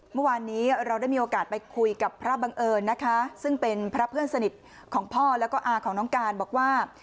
เมื่อวานนี้เราได้มีโอกาสไปคุยกับพระบังเอิญนะคะซึ่งเป็นพระเพื่อนสนิทของพ่อแล้วก็อาของน้องการบอกว่า